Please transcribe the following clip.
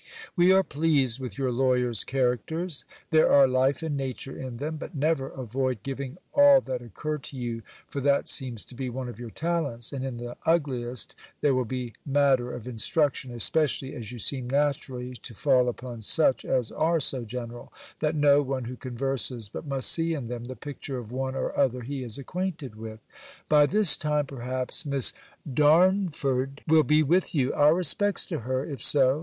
We are pleased with your lawyers' characters. There are life and nature in them; but never avoid giving all that occur to you, for that seems to be one of your talents; and in the ugliest, there will be matter of instruction; especially as you seem naturally to fall upon such as are so general, that no one who converses, but must see in them the picture of one or other he is acquainted with. By this time, perhaps, Miss Darnford will be with you. Our respects to her, if so.